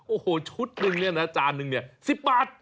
โอ้โหชุดหนึ่งจานหนึ่ง๑๐บาท